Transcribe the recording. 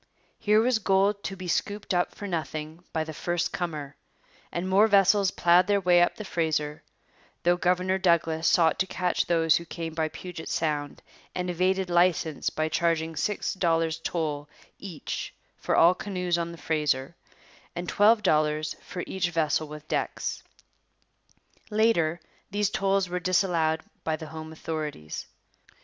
Here was gold to be scooped up for nothing by the first comer; and more vessels ploughed their way up the Fraser, though Governor Douglas sought to catch those who came by Puget Sound and evaded licence by charging six dollars toll each for all canoes on the Fraser and twelve dollars for each vessel with decks. Later these tolls were disallowed by the home authorities.